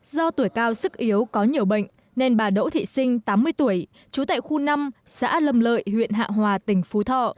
do tuổi cao sức yếu có nhiều bệnh nên bà đỗ thị sinh tám mươi tuổi trú tại khu năm xã lâm lợi huyện hạ hòa tỉnh phú thọ